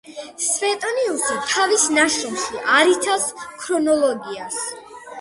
სვეტონიუსი თავის ნაშრომში არ იცავს ქრონოლოგიას.